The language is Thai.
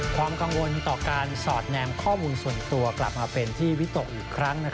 ความกังวลต่อการสอดแนมข้อมูลส่วนตัวกลับมาเป็นที่วิตกอีกครั้ง